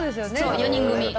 ４人組。